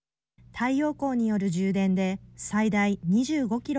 太陽光による充電で最大２５キロ